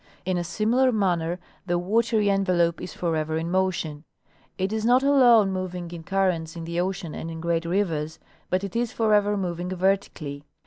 In a similar manner the watery envelope is forever in motion ; it is not alone moving in The Earth's three Emeloxjes. 109 currents in the ocean and in great rivers, but it is forever moving vertically.